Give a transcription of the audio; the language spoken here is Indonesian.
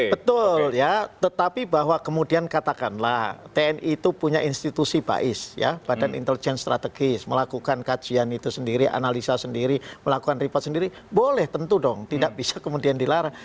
betul ya tetapi bahwa kemudian katakanlah tni itu punya institusi bais ya badan intelijen strategis melakukan kajian itu sendiri analisa sendiri melakukan report sendiri boleh tentu dong tidak bisa kemudian dilarang